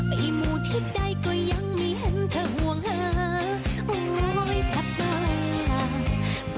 ไปหมู่ที่ใกล้ก็ยังไม่เห็นเธอห่วงหาโอ้ยแค่ปาก